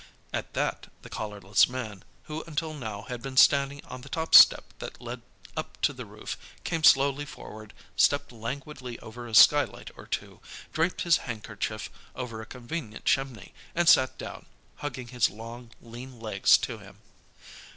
At that the collarless man, who until now had been standing on the top step that led up to the roof, came slowly forward, stepped languidly over a skylight or two, draped his handkerchief over a convenient chimney and sat down, hugging his long, lean legs to him.